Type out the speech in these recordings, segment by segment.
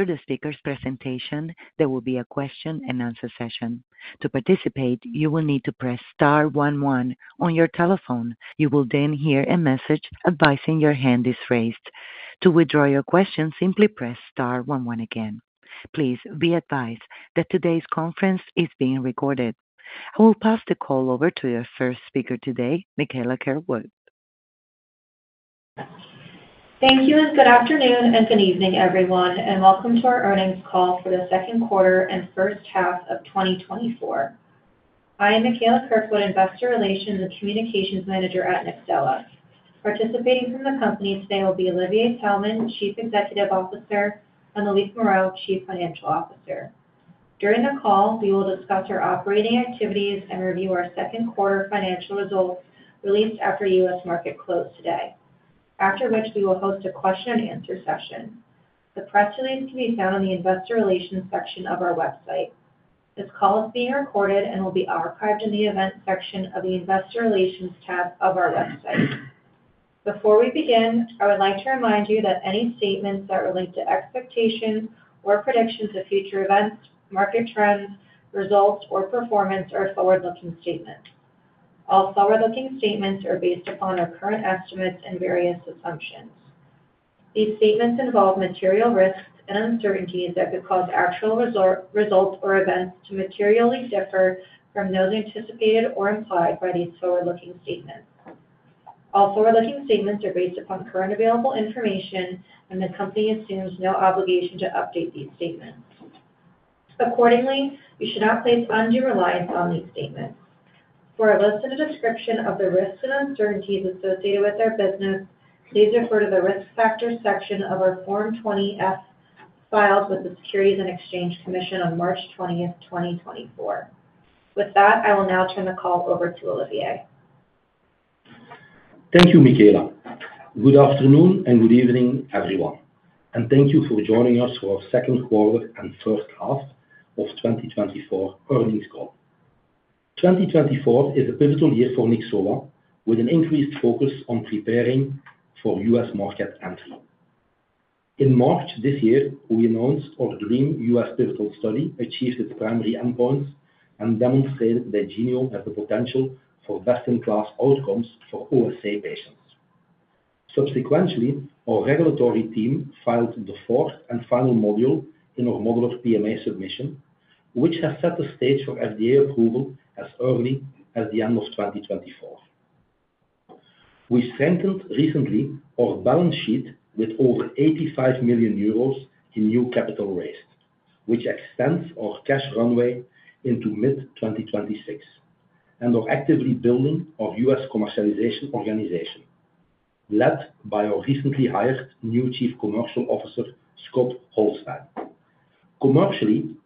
After the speaker's presentation, there will be a question and answer session. To participate, you will need to press star one one on your telephone. You will then hear a message advising your hand is raised. To withdraw your question, simply press star one one again. Please be advised that today's conference is being recorded. I will pass the call over to your first speaker today, Mikaela Kirkwood. Thank you, and good afternoon and good evening, everyone, and welcome to our earnings call for the second quarter and first half of 2024. I am Mikaela Kirkwood, Investor Relations and Communications Manager at Nyxoah. Participating from the company today will be Olivier Taelman, Chief Executive Officer, and Loic Moreau, Chief Financial Officer. During the call, we will discuss our operating activities and review our second quarter financial results, released after the U.S. market close today, after which we will host a question and answer session. The press release can be found on the investor relations section of our website. This call is being recorded and will be archived in the events section of the investor relations tab of our website. Before we begin, I would like to remind you that any statements that relate to expectations or predictions of future events, market trends, results or performance are forward-looking statements. All forward-looking statements are based upon our current estimates and various assumptions. These statements involve material risks and uncertainties that could cause actual results or events to materially differ from those anticipated or implied by these forward-looking statements. All forward-looking statements are based upon current available information, and the company assumes no obligation to update these statements. Accordingly, you should not place undue reliance on these statements. For a list and a description of the risks and uncertainties associated with our business, please refer to the Risk Factors section of our Form 20-F, filed with the Securities and Exchange Commission on March 20, 2024. With that, I will now turn the call over to Olivier. Thank you, Mikaela. Good afternoon and good evening, everyone, and thank you for joining us for our second quarter and first half of 2024 earnings call. 2024 is a pivotal year for Nyxoah, with an increased focus on preparing for U.S. market entry. In March this year, we announced our DREAM U.S. pivotal study achieved its primary endpoints and demonstrated that Genio has the potential for best-in-class outcomes for OSA patients. Subsequently, our regulatory team filed the fourth and final module in our modular PMA submission, which has set the stage for FDA approval as early as the end of 2024. We strengthened recently our balance sheet with over 85 million euros in new capital raised, which extends our cash runway into mid-2026, and are actively building our U.S. commercialization organization, led by our recently hired new Chief Commercial Officer, Scott Holstine.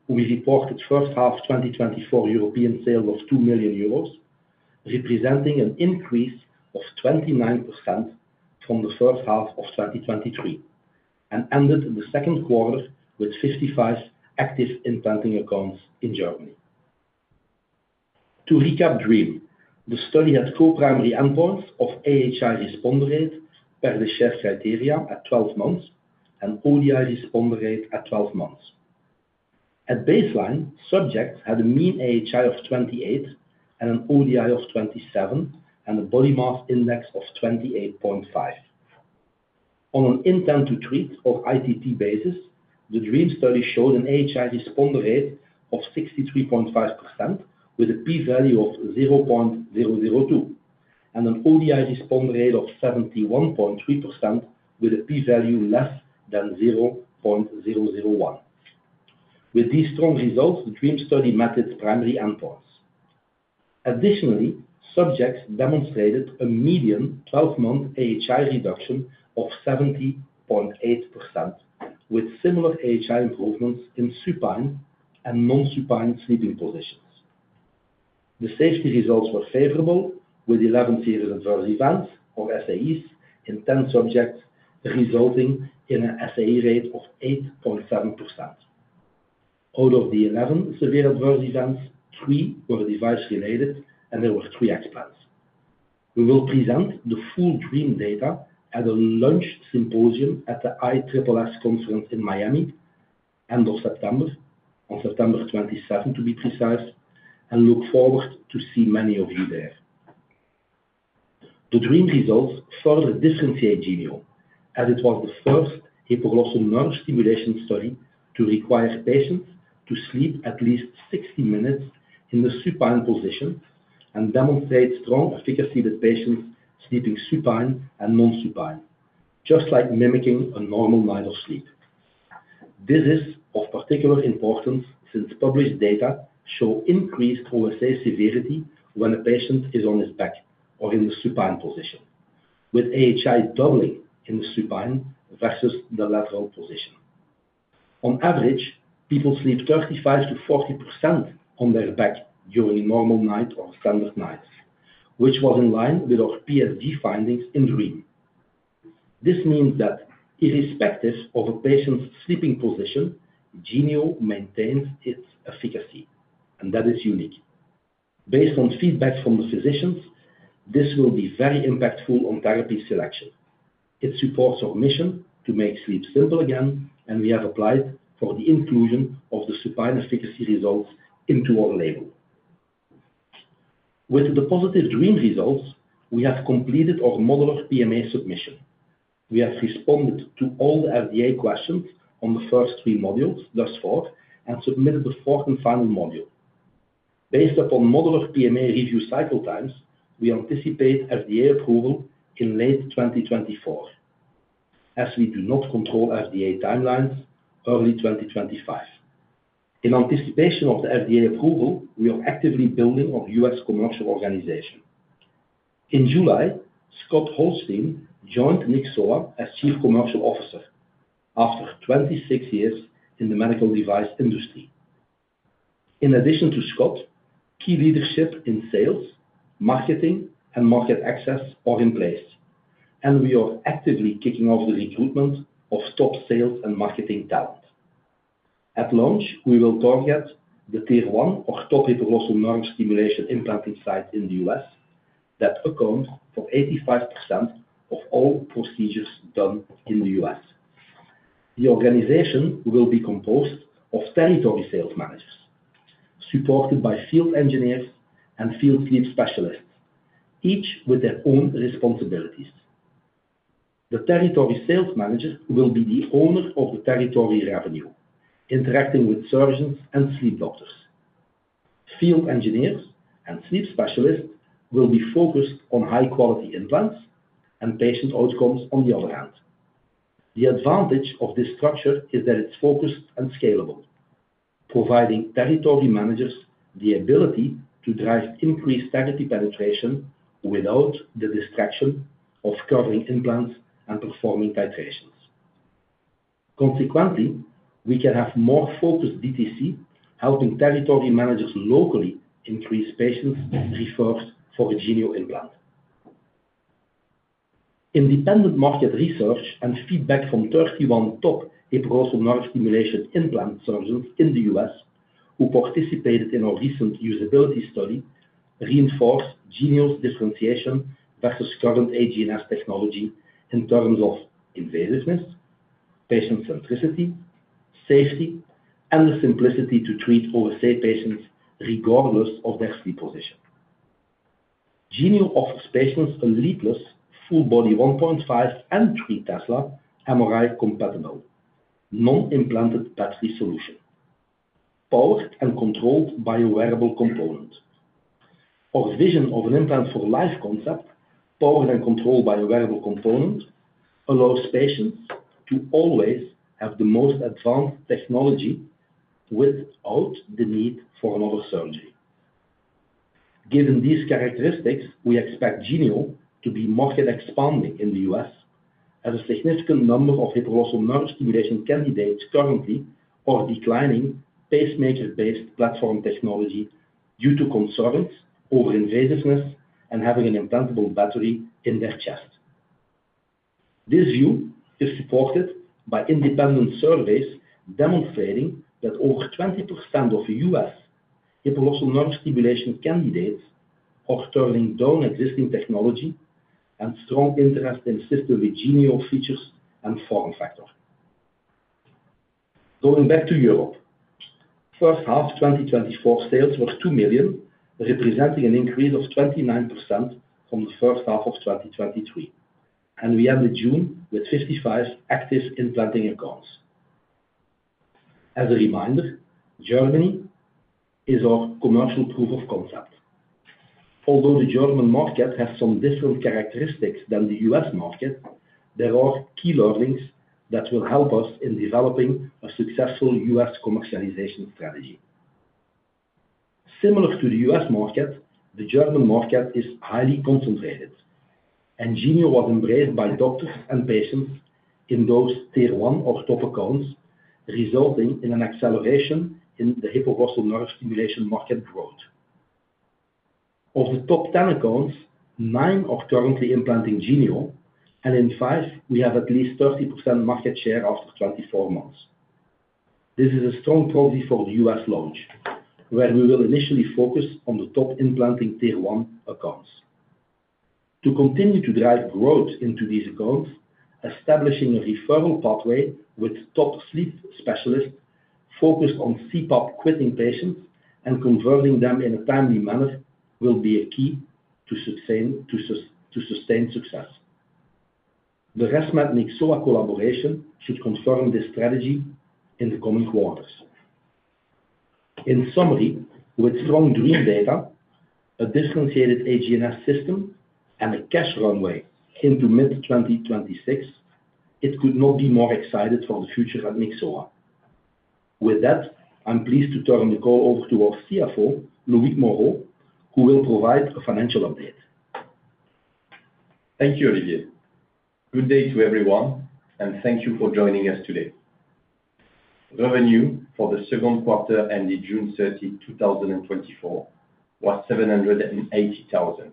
Commercially, we reported first half 2024 European sales of 2 million euros, representing an increase of 29% from the first half of 2023, and ended the second quarter with 55 active implanting accounts in Germany. To recap DREAM, the study had co-primary endpoints of AHI responder rate per the Sher criteria at 12 months and ODI responder rate at 12 months. At baseline, subjects had a mean AHI of 28 and an ODI of 27, and a body mass index of 28.5. On an intent to treat or ITT basis, the DREAM study showed an AHI responder rate of 63.5%, with a p-value of 0.002, and an ODI responder rate of 71.3%, with a p-value less than 0.001. With these strong results, the DREAM study met its primary endpoints. Additionally, subjects demonstrated a median 12-month AHI reduction of 70.8%, with similar AHI improvements in supine and non-supine sleeping positions. The safety results were favorable, with 11 severe adverse events, or SAEs, in 10 subjects, resulting in an SAE rate of 8.7%. Out of the 11 severe adverse events, three were device-related, and there were three explants. We will present the full DREAM data at a lunch symposium at the ISSS conference in Miami, end of September, on September 27th, to be precise, and look forward to see many of you there. The DREAM results further differentiate Genio, as it was the first hypoglossal nerve stimulation study to require patients to sleep at least 60 minutes in the supine position and demonstrate strong efficacy with patients sleeping supine and non-supine, just like mimicking a normal night of sleep. This is of particular importance since published data show increased OSA severity when a patient is on his back or in the supine position, with AHI doubling in the supine versus the lateral position. On average, people sleep 35%-40% on their back during a normal night or standard nights, which was in line with our PSG findings in DREAM. This means that irrespective of a patient's sleeping position, Genio maintains its efficacy, and that is unique. Based on feedback from the physicians, this will be very impactful on therapy selection. It supports our mission to make sleep simple again, and we have applied for the inclusion of the supine efficacy results into our label. With the positive DREAM results, we have completed our modular PMA submission. We have responded to all the FDA questions on the first three modules thus far, and submitted the fourth and final module. Based upon modular PMA review cycle times, we anticipate FDA approval in late 2024. As we do not control FDA timelines, early 2025. In anticipation of the FDA approval, we are actively building our U.S. commercial organization. In July, Scott Holstine joined Nyxoah as Chief Commercial Officer after 26 years in the medical device industry. In addition to Scott, key leadership in sales, marketing, and market access are in place, and we are actively kicking off the recruitment of top sales and marketing talent. At launch, we will target the tier one or top hypoglossal nerve stimulation implanted site in the U.S., that account for 85% of all procedures done in the U.S. The organization will be composed of territory sales managers, supported by field engineers and field sleep specialists, each with their own responsibilities. The territory sales manager will be the owner of the territory revenue, interacting with surgeons and sleep doctors. Field engineers and sleep specialists will be focused on high-quality implants and patient outcomes on the other hand. The advantage of this structure is that it's focused and scalable, providing territory managers the ability to drive increased territory penetration without the distraction of covering implants and performing titrations. Consequently, we can have more focused DTC, helping territory managers locally increase patients referred for a Genio implant. Independent market research and feedback from 31 top hypoglossal nerve stimulation implant surgeons in the U.S., who participated in our recent usability study, reinforced Genio's differentiation versus current HGNS technology in terms of invasiveness, patient centricity, safety, and the simplicity to treat OSA patients regardless of their sleep position. Genio offers patients a leadless, full-body 1.5 and 3 Tesla, MRI-compatible, non-implanted battery solution, powered and controlled by a wearable component. Our vision of an implant for life concept, powered and controlled by a wearable component, allows patients to always have the most advanced technology without the need for another surgery. Given these characteristics, we expect Genio to be market-expanding in the U.S., as a significant number of hypoglossal nerve stimulation candidates currently are declining pacemaker-based platform technology due to concerns over invasiveness and having an implantable battery in their chest. This view is supported by independent surveys, demonstrating that over 20% of U.S. hypoglossal nerve stimulation candidates are turning down existing technology, and strong interest in system with Genio features and form factor. Going back to Europe. First half 2024 sales was 2 million, representing an increase of 29% from the first half of 2023, and we ended June with 55 active implanting accounts. As a reminder, Germany is our commercial proof of concept. Although the German market has some different characteristics than the U.S. market, there are key learnings that will help us in developing a successful U.S. commercialization strategy. Similar to the U.S. market, the German market is highly concentrated, and Genio was embraced by doctors and patients in those tier one or top accounts, resulting in an acceleration in the hypoglossal nerve stimulation market growth. Of the top 10 accounts, 9 are currently implanting Genio, and in five, we have at least 30% market share after 24 months. This is a strong proxy for the U.S. launch, where we will initially focus on the top implanting tier one accounts. To continue to drive growth into these accounts, establishing a referral pathway with top sleep specialists focused on CPAP-quitting patients and converting them in a timely manner, will be a key to sustain success. The results with Nyxoah collaboration should confirm this strategy in the coming quarters. In summary, with strong DREAM data, a differentiated HGNS system, and a cash runway into mid-2026, I could not be more excited for the future at Nyxoah. With that, I'm pleased to turn the call over to our CFO, Loïc Moreau, who will provide a financial update. Thank you, Olivier. Good day to everyone, and thank you for joining us today. Revenue for the second quarter, ending June 30, 2024, was 780 thousand.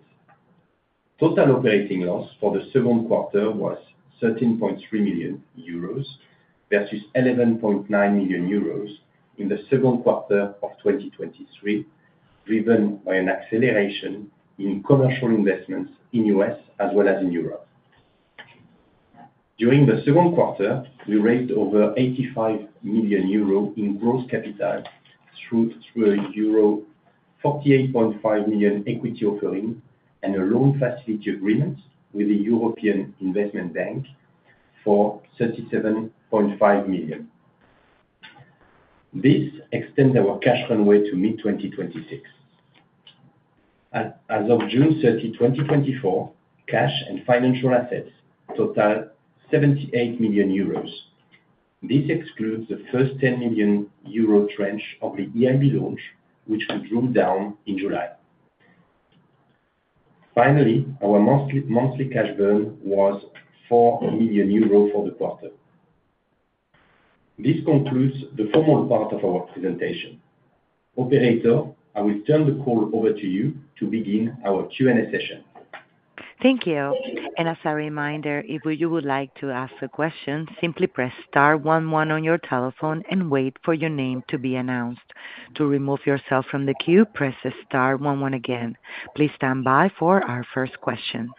...Total operating loss for the second quarter was 13.3 million euros, versus 11.9 million euros in the second quarter of 2023, driven by an acceleration in commercial investments in U.S. as well as in Europe. During the second quarter, we raised over 85 million euro in gross capital through a euro 48.5 million equity offering and a loan facility agreement with the European Investment Bank for 37.5 million. This extends our cash runway to mid-2026. As of June 30, 2024, cash and financial assets totaled 78 million euros. This excludes the first 10 million euro tranche of the EIB loan, which we drew down in July. Finally, our monthly cash burn was 4 million euros for the quarter. This concludes the formal part of our presentation. Operator, I will turn the call over to you to begin our Q&A session. Thank you. And as a reminder, if you would like to ask a question, simply press star one one on your telephone and wait for your name to be announced. To remove yourself from the queue, press star one one again. Please stand by for our first question.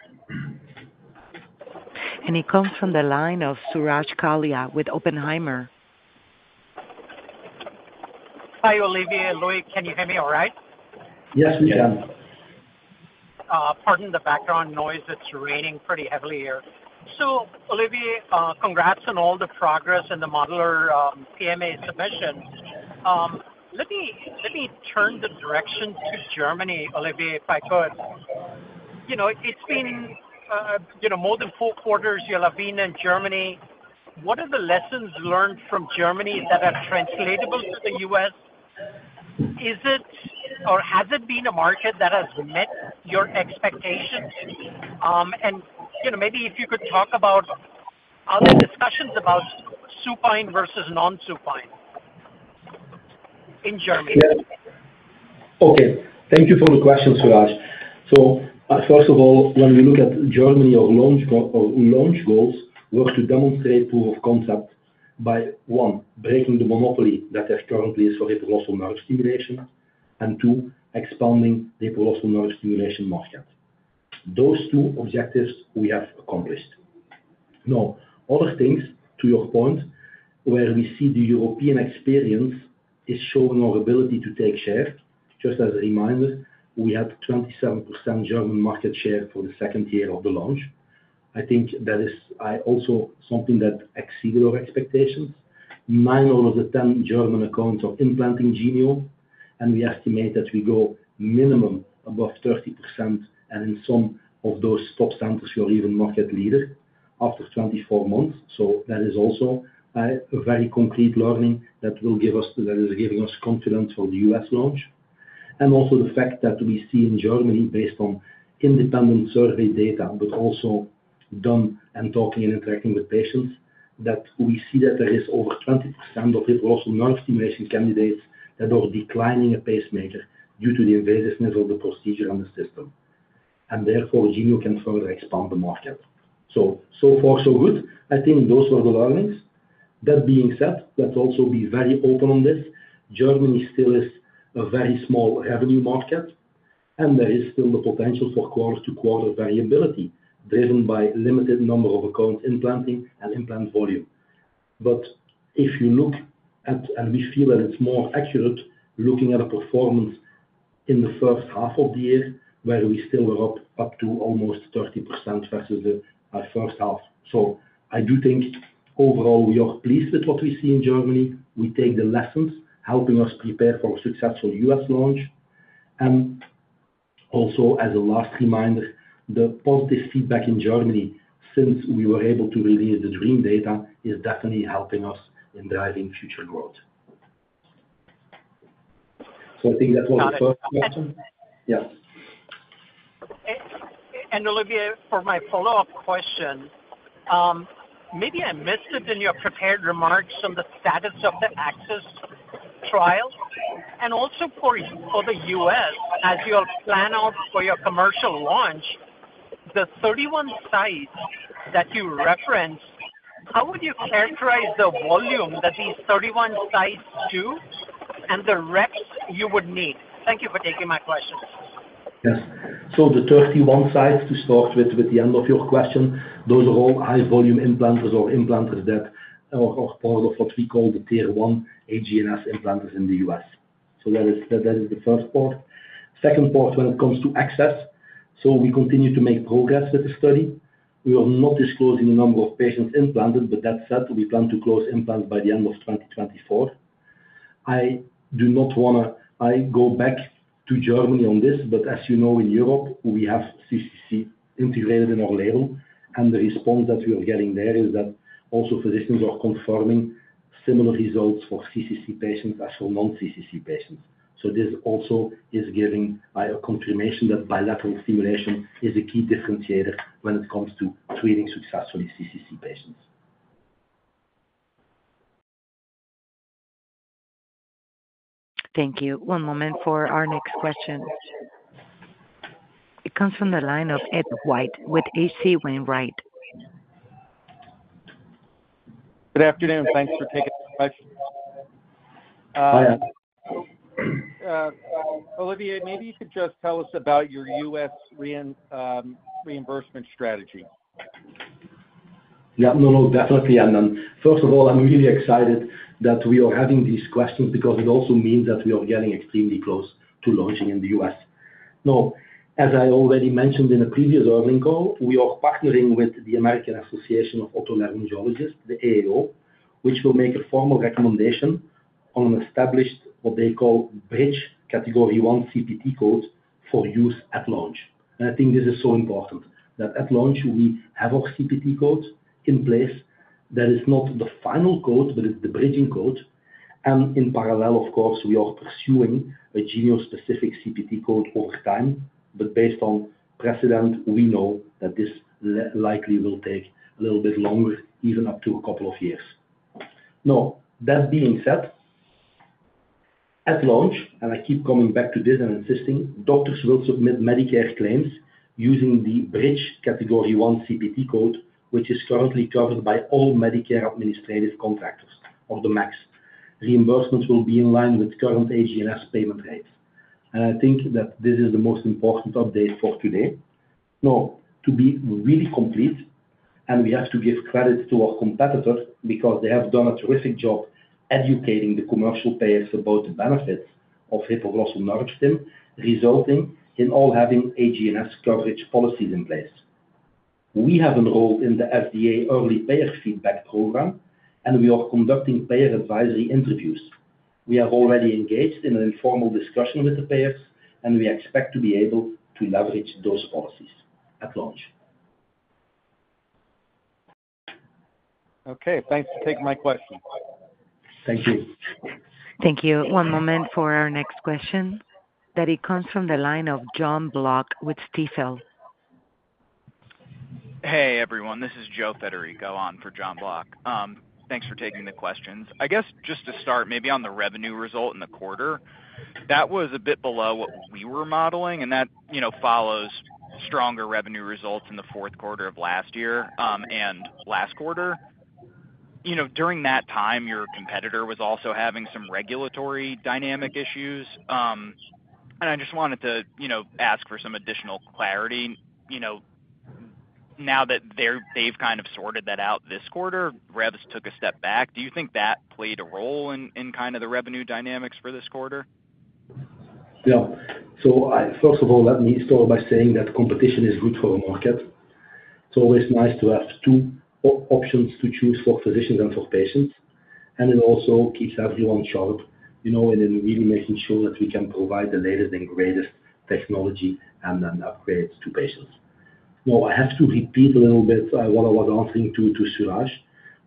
And it comes from the line of Suraj Kalia with Oppenheimer. Hi, Olivier and Loic. Can you hear me all right? Yes, we can. Pardon the background noise. It's raining pretty heavily here. So, Olivier, congrats on all the progress and the modular PMA submission. Let me turn the direction to Germany, Olivier, if I could. You know, it's been, you know, more than four quarters you all have been in Germany. What are the lessons learned from Germany that are translatable to the U.S.? Is it or has it been a market that has met your expectations? And, you know, maybe if you could talk about other discussions about supine versus non-supine in Germany. Okay. Thank you for the question, Suraj. So, first of all, when we look at Germany, our launch goals were to demonstrate proof of concept by, one, breaking the monopoly that is currently for hypoglossal nerve stimulation, and two, expanding the hypoglossal nerve stimulation market. Those two objectives we have accomplished. Now, other things, to your point, where we see the European experience is showing our ability to take share. Just as a reminder, we had 27% German market share for the second year of the launch. I think that is also something that exceeded our expectations. Nine out of the 10 German accounts are implanting Genio, and we estimate that we go minimum above 30%, and in some of those top centers, we are even market leader after 24 months. So that is also a very concrete learning that is giving us confidence for the U.S. launch. And also the fact that we see in Germany, based on independent survey data, but also from talking and interacting with patients, that we see that there is over 20% of hypoglossal nerve stimulation candidates that are declining a pacemaker due to the invasiveness of the procedure and the system. And therefore, Genio can further expand the market. So, so far, so good. I think those were the learnings. That being said, let's also be very open on this. Germany still is a very small revenue market, and there is still the potential for quarter-to-quarter variability, driven by limited number of accounts implanting and implant volume. But if you look at, and we feel that it's more accurate, looking at a performance in the first half of the year, where we still were up to almost 30% versus the first half. So I do think overall, we are pleased with what we see in Germany. We take the lessons, helping us prepare for a successful U.S. launch. And also, as a last reminder, the positive feedback in Germany since we were able to release the DREAM data is definitely helping us in driving future growth. So I think that's all the first question? Yeah. Olivier, for my follow-up question, maybe I missed it in your prepared remarks on the status of the ACCESS trial. And also for the U.S., as you have planned out for your commercial launch, the 31 sites that you referenced, how would you characterize the volume that these 31 sites do and the reps you would need? Thank you for taking my questions. Yes. So the 31 sites, to start with, with the end of your question, those are all high-volume implanters or implanters that are part of what we call the tier one HGNS implanters in the U.S. So that is the, that is the first part. Second part, when it comes to ACCESS, so we continue to make progress with the study. We are not disclosing the number of patients implanted, but that said, we plan to close implant by the end of 2024. I do not want to... I go back to Germany on this, but as you know, in Europe, we have CCC integrated in our label, and the response that we are getting there is that also physicians are confirming similar results for CCC patients as for non-CCC patients. So this also is giving a confirmation that bilateral stimulation is a key differentiator when it comes to treating successfully CCC patients. Thank you. One moment for our next question. It comes from the line of Ed White with H.C. Wainwright. Good afternoon. Thanks for taking my question. Hi, Ed. Olivier, maybe you could just tell us about your U.S. reimbursement strategy? Yeah. No, no, definitely. And then first of all, I'm really excited that we are having these questions because it also means that we are getting extremely close to launching in the US. Now, as I already mentioned in a previous earning call, we are partnering with the American Association of Otolaryngologists, the AAO, which will make a formal recommendation on an established, what they call bridge category one CPT code, for use at launch. And I think this is so important, that at launch, we have our CPT code in place. That is not the final code, but it's the bridging code. And in parallel, of course, we are pursuing a Genio specific CPT code over time, but based on precedent, we know that this likely will take a little bit longer, even up to a couple of years. Now, that being said, at launch, and I keep coming back to this and insisting, doctors will submit Medicare claims using the bridge category one CPT code, which is currently covered by all Medicare administrative contractors or the MACs. Reimbursements will be in line with current HGNS payment rates. And I think that this is the most important update for today. Now, to be really complete, and we have to give credit to our competitors because they have done a terrific job educating the commercial payers about the benefits of hypoglossal nerve stim, resulting in all having HGNS coverage policies in place. We have enrolled in the FDA Early Payer Feedback Program, and we are conducting payer advisory interviews. We have already engaged in an informal discussion with the payers, and we expect to be able to leverage those policies at launch. Okay, thanks for taking my question. Thank you. Thank you. One moment for our next question. That it comes from the line of John Block with Stifel. Hey, everyone, this is Joe Federico on for John Block. Thanks for taking the questions. I guess just to start maybe on the revenue result in the quarter, that was a bit below what we were modeling, and that, you know, follows stronger revenue results in the fourth quarter of last year, and last quarter. You know, during that time, your competitor was also having some regulatory dynamic issues. And I just wanted to, you know, ask for some additional clarity, you know, now that they've kind of sorted that out this quarter, revs took a step back. Do you think that played a role in, in kind of the revenue dynamics for this quarter? Yeah. So first of all, let me start by saying that competition is good for the market. It's always nice to have two options to choose for physicians and for patients, and it also keeps everyone sharp, you know, and then really making sure that we can provide the latest and greatest technology and then upgrades to patients. Now, I have to repeat a little bit what I was answering to Suraj.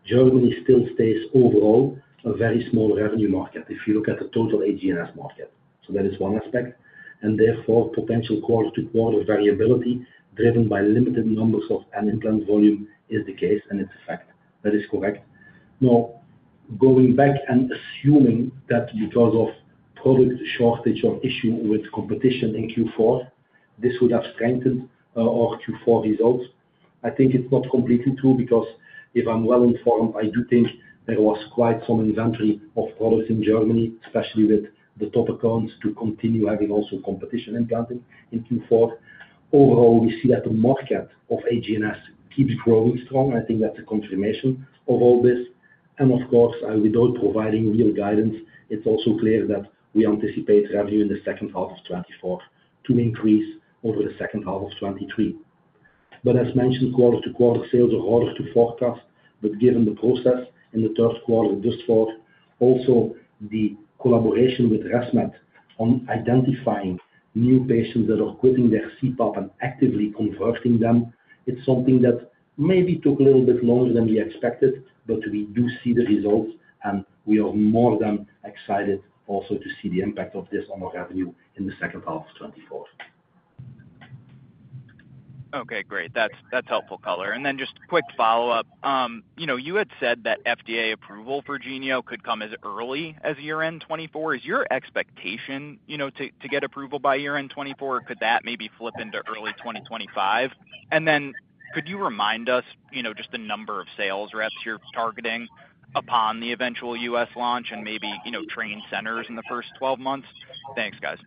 Germany still stays overall a very small revenue market, if you look at the total HGNS market. So that is one aspect, and therefore, potential quarter-to-quarter variability, driven by limited numbers of implant volume, is the case and it's a fact. That is correct. Now, going back and assuming that because of product shortage or issue with competition in Q4, this would have strengthened our Q4 results. I think it's not completely true, because if I'm well informed, I do think there was quite some inventory of products in Germany, especially with the top accounts, to continue having also competition in counting in Q4. Overall, we see that the market of HGNS keeps growing strong. I think that's a confirmation of all this. And of course, without providing real guidance, it's also clear that we anticipate revenue in the second half of 2024 to increase over the second half of 2023. As mentioned, quarter-to-quarter sales are harder to forecast, but given the process in the third quarter, this fourth, also the collaboration with ResMed on identifying new patients that are quitting their CPAP and actively converting them, it's something that maybe took a little bit longer than we expected, but we do see the results, and we are more than excited also to see the impact of this on our revenue in the second half of 2024. Okay, great. That's, that's helpful color. And then just quick follow-up. You know, you had said that FDA approval for Genio could come as early as year-end 2024. Is your expectation, you know, to get approval by year-end 2024, or could that maybe flip into early 2025? And then could you remind us, you know, just the number of sales reps you're targeting upon the eventual U.S. launch and maybe, you know, training centers in the first 12 months? Thanks, guys.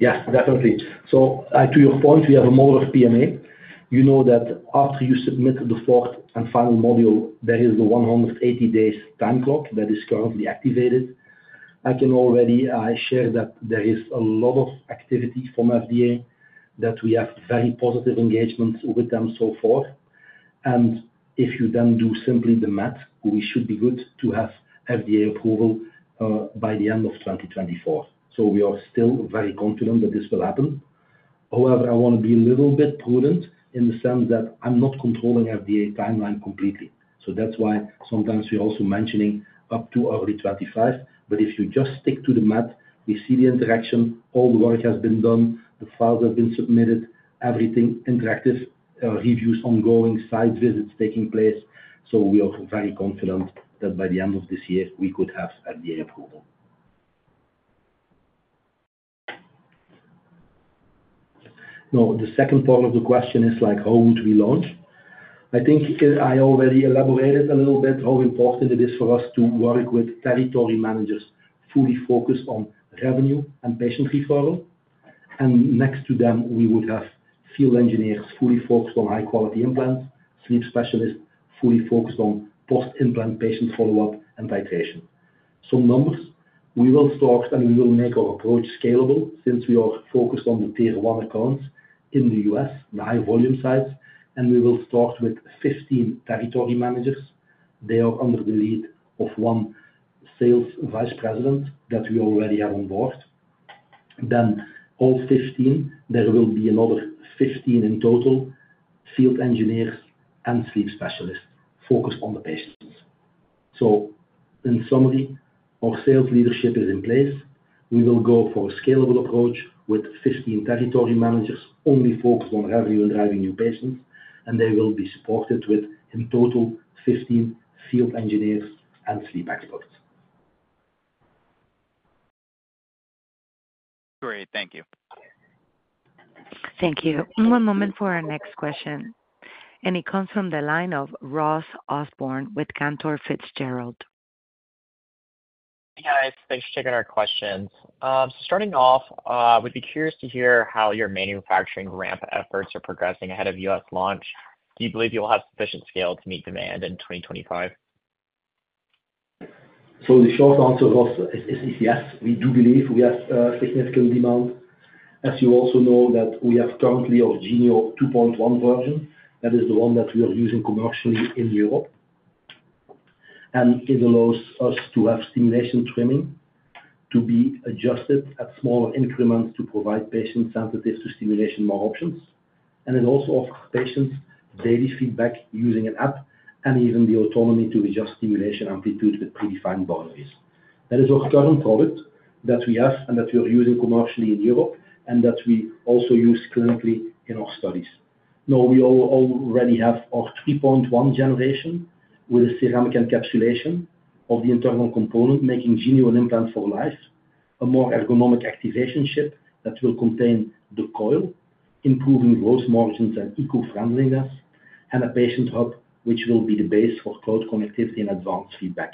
Yes, definitely. So, to your point, we have a mode of PMA. You know that after you submit the fourth and final module, there is the 180 days time clock that is currently activated. I can already share that there is a lot of activity from FDA, that we have very positive engagements with them so far. And if you then do simply the math, we should be good to have FDA approval by the end of 2024. So we are still very confident that this will happen. However, I want to be a little bit prudent in the sense that I'm not controlling FDA timeline completely. So that's why sometimes we're also mentioning up to early 2025. But if you just stick to the math, we see the interaction, all the work has been done, the files have been submitted, everything interactive, reviews, ongoing, site visits taking place. So we are very confident that by the end of this year we could have FDA approval. No, the second part of the question is like, how would we launch? I think I already elaborated a little bit how important it is for us to work with territory managers, fully focused on revenue and patient referral. And next to them, we would have field engineers, fully focused on high-quality implants, sleep specialists, fully focused on post-implant patient follow-up and titration. Some numbers, we will start and we will make our approach scalable since we are focused on the tier one accounts in the U.S., the high volume sites, and we will start with 15 territory managers. They are under the lead of 1 sales vice president that we already have on board. Then all 15, there will be another 15 in total, field engineers and sleep specialists focused on the patients. So in summary, our sales leadership is in place. We will go for a scalable approach with 15 territory managers, only focused on revenue and driving new patients, and they will be supported with, in total, 15 field engineers and sleep experts. Great, thank you. Thank you. One moment for our next question, and it comes from the line of Ross Osborne with Cantor Fitzgerald. Hey, guys. Thanks for taking our questions. Starting off, we'd be curious to hear how your manufacturing ramp efforts are progressing ahead of U.S. launch. Do you believe you will have sufficient scale to meet demand in 2025? So the short answer, Ross, is, is yes, we do believe we have significant demand. As you also know, that we have currently our Genio 2.1 version. That is the one that we are using commercially in Europe. And it allows us to have stimulation trimming to be adjusted at smaller increments to provide patient-sensitive to stimulation more options. And it also offers patients daily feedback using an app and even the autonomy to adjust stimulation amplitude with predefined boundaries. That is our current product that we have and that we are using commercially in Europe, and that we also use clinically in our studies. Now, we already have our 3.1 generation, with a ceramic encapsulation of the internal component, making Genio an implant for life, a more ergonomic activation chip that will contain the coil, improving gross margins and eco-friendliness, and a patient hub, which will be the base for cloud connectivity and advanced feedback.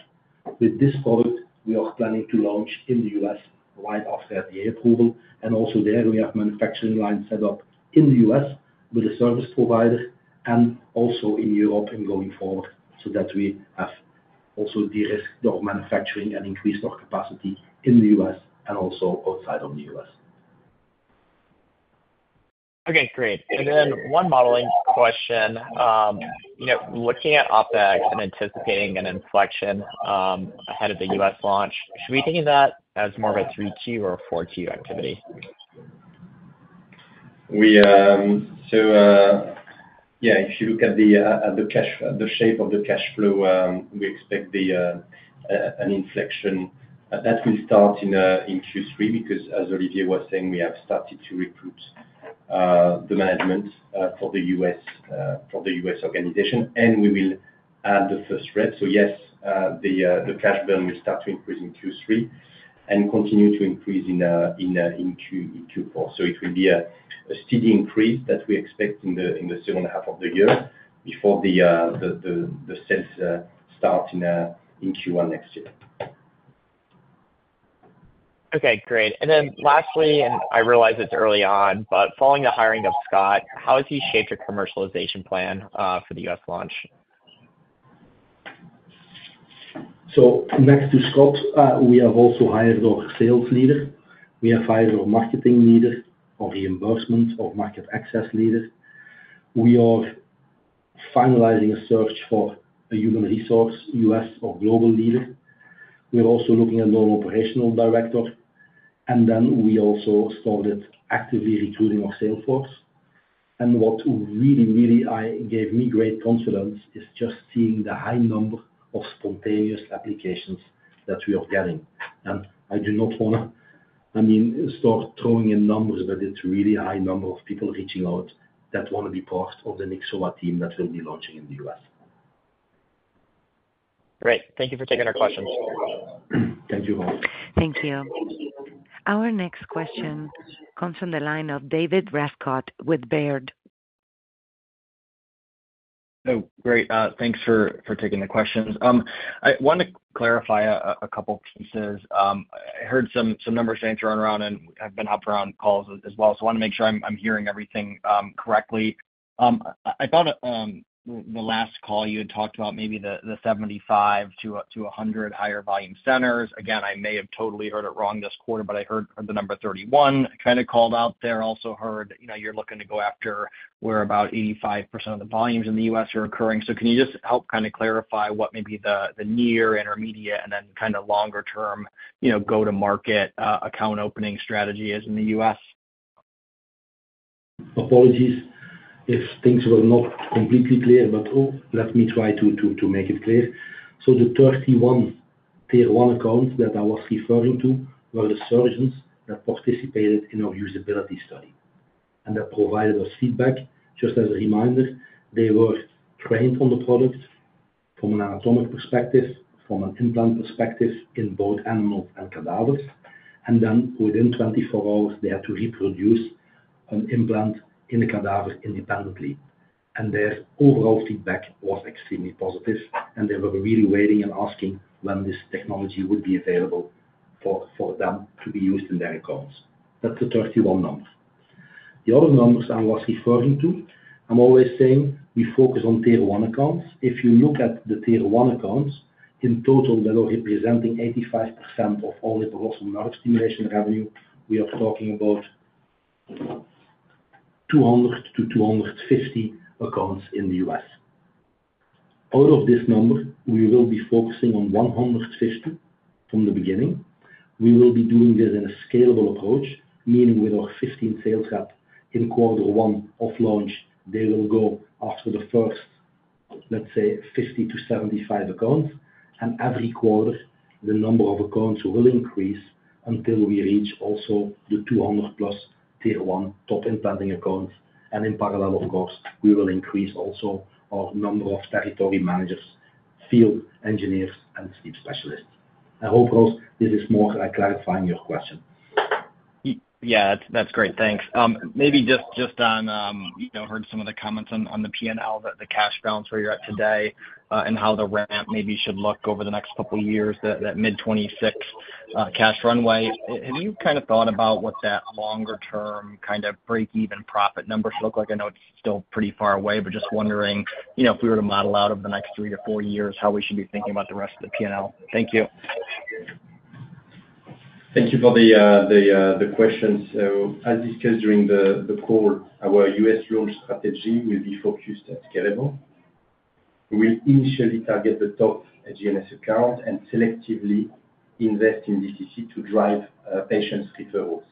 With this product, we are planning to launch in the U.S. wide after FDA approval, and also there, we have manufacturing lines set up in the U.S. with a service provider and also in Europe and going forward, so that we have also de-risked our manufacturing and increased our capacity in the U.S. and also outside of the U.S. Okay, great. And then one modeling question. You know, looking at OpEx and anticipating an inflection, ahead of the U.S. launch, should we think of that as more of a 3Q or a 4Q activity? We, so, yeah, if you look at the cash, the shape of the cash flow, we expect an inflection that will start in Q3, because as Olivier was saying, we have started to recruit the management for the U.S. organization, and we will add the first rep. So yes, the cash burn will start to increase in Q3 and continue to increase in Q4. So it will be a steady increase that we expect in the second half of the year before the sales start in Q1 next year. Okay, great. And then lastly, and I realize it's early on, but following the hiring of Scott, how has he shaped your commercialization plan for the U.S. launch? So next to Scott, we have also hired our sales leader. We have hired our marketing leader of reimbursement, of market access leader. We are finalizing a search for a human resource, U.S. or global leader. We are also looking at our operational director, and then we also started actively recruiting our sales force. And what really, really gave me great confidence is just seeing the high number of spontaneous applications that we are getting. And I do not want to, I mean, start throwing in numbers, but it's really a high number of people reaching out that want to be part of the Nyxoah team that will be launching in the U.S. Great. Thank you for taking our questions. Thank you, Ross. Thank you. Our next question comes from the line of David Rescott with Baird. Oh, great. Thanks for taking the questions. I want to clarify a couple pieces. I heard some numbers saying thrown around and have been heard around calls as well. So I want to make sure I'm hearing everything correctly. I thought the last call you had talked about maybe the 75-100 higher volume centers. Again, I may have totally heard it wrong this quarter, but I heard the number 31 kind of called out there. Also heard, you know, you're looking to go after where about 85% of the volumes in the U.S. are occurring. So can you just help kind of clarify what maybe the near, intermediate, and then kind of longer term, you know, go-to-market account opening strategy is in the U.S.? Apologies if things were not completely clear, but oh, let me try to make it clear. So the 31 tier one accounts that I was referring to were the surgeons that participated in our usability study, and that provided us feedback. Just as a reminder, they were trained on the product—from an anatomic perspective, from an implant perspective, in both animals and cadavers. And then within 24 hours, they had to reproduce an implant in a cadaver independently. And their overall feedback was extremely positive, and they were really waiting and asking when this technology would be available for them to be used in their accounts. That's the 31 number. The other numbers I was referring to, I'm always saying we focus on tier one accounts. If you look at the tier one accounts, in total, they are representing 85% of all hypoglossal nerve stimulation revenue. We are talking about 200-250 accounts in the U.S. Out of this number, we will be focusing on 150 from the beginning. We will be doing this in a scalable approach, meaning with our 15 sales rep in quarter one of launch, they will go after the first, let's say, 50-75 accounts. Every quarter, the number of accounts will increase until we reach also the 200+ tier one top implanting accounts. In parallel, of course, we will increase also our number of territory managers, field engineers, and sleep specialists. I hope, Ross, this is more clarifying your question. Yeah, that's great. Thanks. Maybe just on, you know, heard some of the comments on the PNL, that the cash balance where you're at today, and how the ramp maybe should look over the next couple of years, that mid-2026 cash runway. Have you kind of thought about what that longer-term kind of break-even profit number should look like? I know it's still pretty far away, but just wondering, you know, if we were to model out over the next three to four years, how we should be thinking about the rest of the PNL? Thank you. Thank you for the question. So as discussed during the call, our U.S. launch strategy will be focused at scalable. We will initially target the top HGNS account and selectively invest in DTC to drive patients referrals.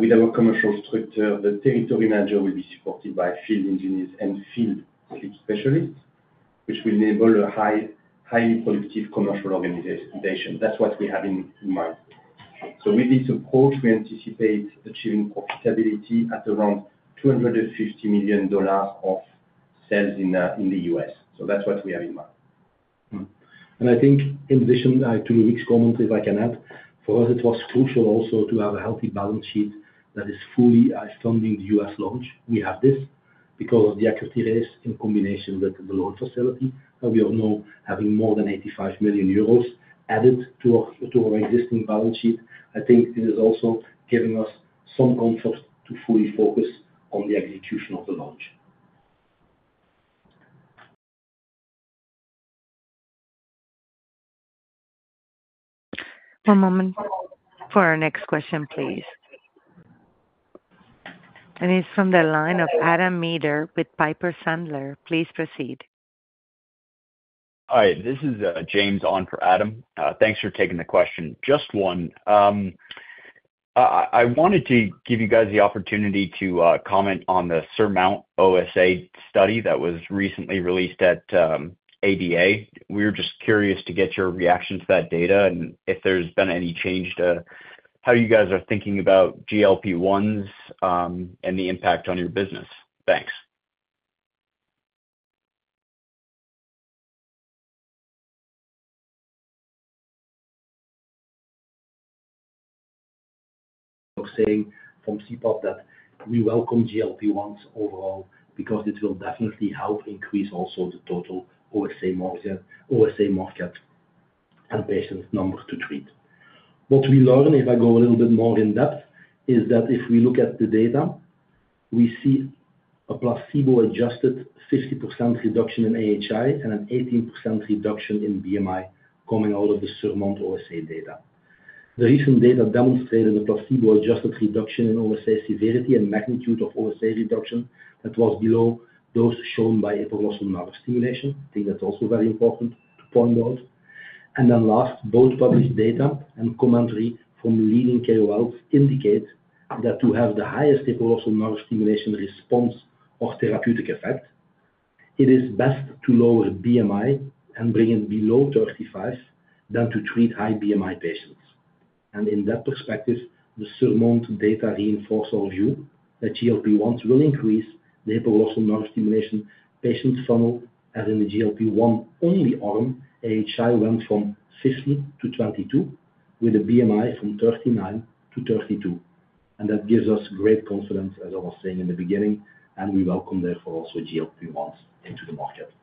With our commercial structure, the territory manager will be supported by field engineers and field sleep specialists, which will enable a highly productive commercial organization. That's what we have in mind. So with this approach, we anticipate achieving profitability at around $250 million of sales in the US. So that's what we have in mind. I think in addition to Loic's comment, if I can add, for us, it was crucial also to have a healthy balance sheet that is fully funding the U.S. launch. We have this because of the equity raise in combination with the loan facility, and we are now having more than 85 million euros added to our existing balance sheet. I think it is also giving us some comfort to fully focus on the execution of the launch. One moment. For our next question, please. It's from the line of Adam Maeder with Piper Sandler. Please proceed. Hi, this is James on for Adam. Thanks for taking the question. Just one. I wanted to give you guys the opportunity to comment on the SURMOUNT-OSA study that was recently released at ADA. We were just curious to get your reaction to that data, and if there's been any change to how you guys are thinking about GLP-1s, and the impact on your business. Thanks. I was saying from CPAP that we welcome GLP-1s overall, because it will definitely help increase also the total OSA market, OSA market and patient numbers to treat. What we learn, if I go a little bit more in-depth, is that if we look at the data, we see a placebo-adjusted 50% reduction in AHI and an 18% reduction in BMI coming out of the SURMOUNT OSA data. The recent data demonstrated a placebo-adjusted reduction in OSA severity and magnitude of OSA reduction that was below those shown by hypoglossal nerve stimulation. I think that's also very important to point out. And then last, both published data and commentary from leading KOLs indicate that to have the highest hypoglossal nerve stimulation response or therapeutic effect, it is best to lower BMI and bring it below 35 than to treat high BMI patients. In that perspective, the SURMOUNT data reinforce our view that GLP-1s will increase the hypoglossal nerve stimulation patients funnel, as in the GLP-1 only arm, AHI went from 15-22, with a BMI from 39-32. That gives us great confidence, as I was saying in the beginning, and we welcome therefore, also GLP-1s into the market.